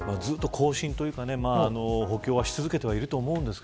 更新というか補強はしていると思いますが。